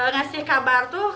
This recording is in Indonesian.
ngasih kabar tuh